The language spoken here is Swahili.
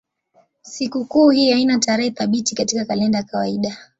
Sikukuu hii haina tarehe thabiti katika kalenda ya kawaida.